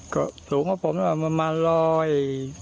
อ๋อก็สูงกว่าผมน่ะประมาณร้อย๗๐